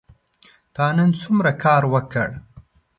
تا نن څومره کار وکړ ؟